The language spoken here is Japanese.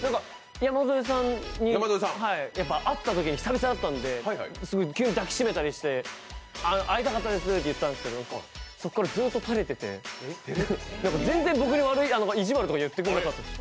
山添さんに、会ったときに久々だったんで、急に抱き締めたりして、「会いたかったです」って言ったんですけどそこからずっとたれてて全然僕にいじわるとか言ってくれなかったです。